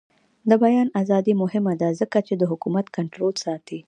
د بیان ازادي مهمه ده ځکه چې د حکومت کنټرول ساتي.